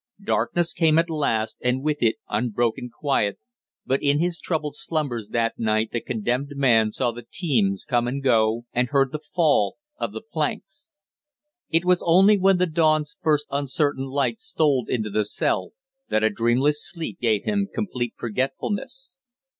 Darkness came at last and with it unbroken quiet, but in his troubled slumbers that night the condemned man saw the teams come and go, and heard the fall of the planks. It was only when the dawn's first uncertain light stole into the cell that a dreamless sleep gave him complete forgetfulness.